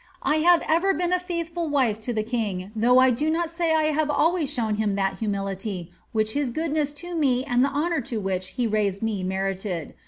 I have ever been a faithful wife to the king, though I do not say I have always shown him that humility which his goodness to me and the honour to which he raised me merited.